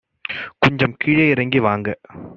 கொஞ்சம் கீழே இறங்கி வாங்க